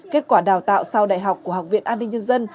kết quả đào tạo sau đại học của học viện an ninh nhân dân